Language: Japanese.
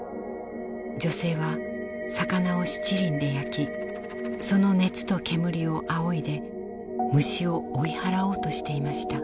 女性は魚を七輪で焼きその熱と煙をあおいで虫を追い払おうとしていました。